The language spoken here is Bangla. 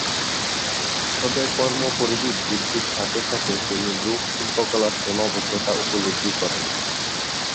তবে কর্মপরিধি বৃদ্ধির সাথে সাথে তিনি লোক শিল্পকলার সীমাবদ্ধতা উপলব্ধি করেন।